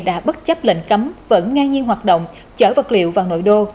đã bất chấp lệnh cấm vẫn ngang nhiên hoạt động chở vật liệu vào nội đô